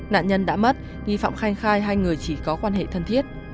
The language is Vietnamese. nạn nhân đã mất nghi phạm khanh khai hai người chỉ có quan hệ thân thiết